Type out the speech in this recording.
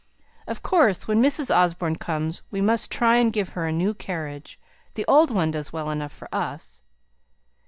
"Of course, when Mrs. Osborne comes we must try and give her a new carriage; the old one does well enough for us."